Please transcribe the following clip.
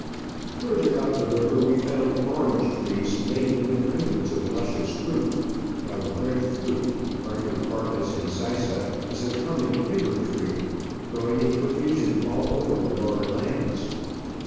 Further up the river we found orange trees laden with hundreds of luscious fruit, while the bread fruit ( Artocarpus incisa) is a common timber tree, growing in profusion all over the lower lands.